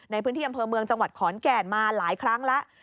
ในพื้นที่อำเภอเมืองจังหวัดขอนแก่นมาหลายครั้งแล้ว